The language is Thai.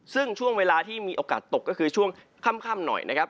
ซึ่งช่วงเวลาที่มีโอกาสตกก็คือช่วงค่ำหน่อยนะครับ